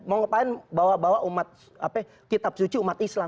mau ngapain bawa bawa kitab suci umat islam